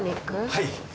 はい！